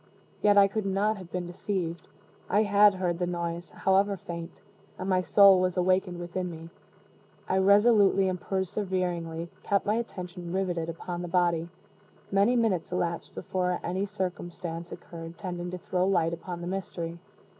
Yet I could not have been deceived. I had heard the noise, however faint, and my soul was awakened within me. I resolutely and perseveringly kept my attention riveted upon the body. Many minutes elapsed before any circumstance occurred tending to throw light upon the mystery.